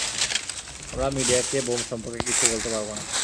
আমরা মিডিয়াকে বোম সম্পর্কে কিছু বলতে পারব না।